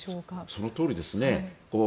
そのとおりですね。